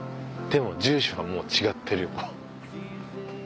でも住所がもう違ってるよ。